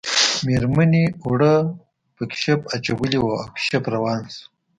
میرمنې اوړه په کشپ اچولي وو او کشپ روان شو